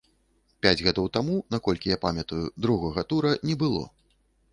Пяць гадоў таму, наколькі я памятаю, другога тура не было.